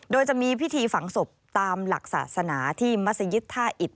โดยจะมีพิธีฝังศพตามหลักศาสนาที่มัศยิตท่าอิต